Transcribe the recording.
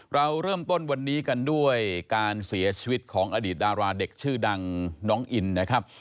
เราเริ่มต้นวันนี้กันด้วยการเสียชีวิตของอดีตดาราเด็กชื่อดังน้องอินนะครับ